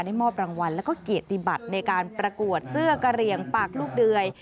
มอบรางวัลแล้วก็เกียรติบัติในการประกวดเสื้อกระเหลี่ยงปากลูกเดย